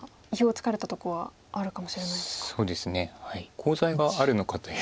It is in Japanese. コウ材があるのかという。